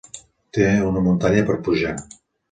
Té una muntanya per pujar